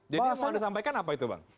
jadi yang anda sampaikan apa itu bang